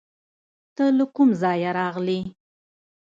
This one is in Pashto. ته له کوم ځایه راغلې؟